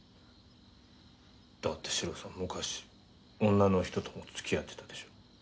だってシロさん昔女の人とも付き合ってたでしょ。